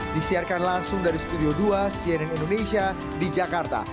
disiarkan langsung dari studio dua cnn indonesia di jakarta